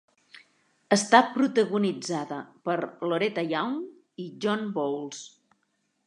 Està protagonitzada per Loretta Young i John Boles.